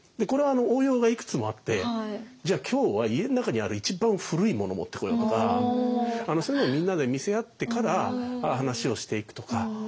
これは応用がいくつもあってじゃあ今日は家の中にある一番古いものを持ってこようとかそういうのみんなで見せ合ってから話をしていくとか。